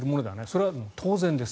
それは当然です。